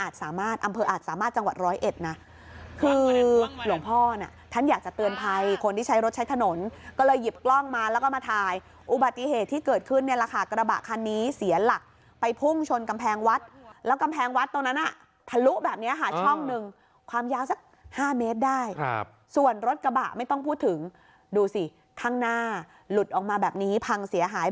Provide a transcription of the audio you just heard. จังหวัดร้อยเอ็ดนะคือหลวงพ่อน่ะท่านอยากจะเตือนภัยคนที่ใช้รถใช้ถนนก็เลยหยิบกล้องมาแล้วก็มาถ่ายอุบัติเหตุที่เกิดขึ้นเนี่ยแหละค่ะกระบะคันนี้เสียหลักไปพุ่งชนกำแพงวัดแล้วกำแพงวัดตรงนั้นน่ะทะลุแบบนี้ค่ะช่องหนึ่งความยาวสัก๕เมตรได้ครับส่วนรถกระบะไม่ต้องพูดถึงดูสิข้างหน้าหลุดออกมาแบบนี้พังเสียหาย